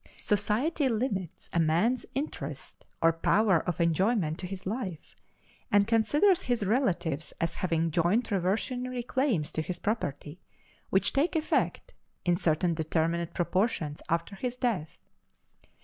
Society limits a man's interest or power of enjoyment to his life, and considers his relatives as having joint reversionary claims to his property, which take effect, in certain determinate proportions, after his death.